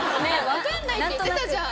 わかんないって言ってたじゃん。